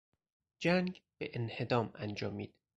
جنگ به انهدام انجامید.